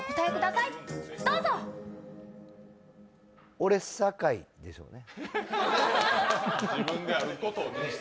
俺、酒井でしょうね。